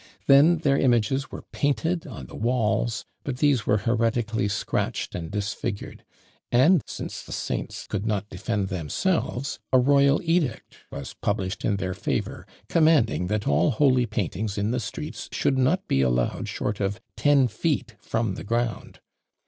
Then their images were painted on the walls, but these were heretically scratched and disfigured: and, since the saints could not defend themselves, a royal edict was published in their favour, commanding that all holy paintings in the streets should not be allowed short of ten feet from the ground!